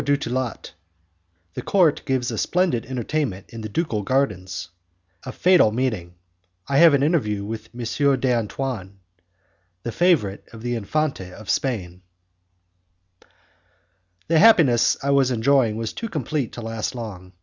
Dutillot The Court gives a Splendid Entertainment in the Ducal Gardens A Fatal Meeting I Have an Interview with M. D'Antoine, the Favourite of the Infante of Spain The happiness I was enjoying was too complete to last long.